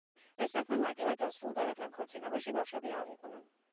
ეს საქმე მარტივად დასრულდა, რადგან ქორწინებაში ბავშვები არ იყვნენ.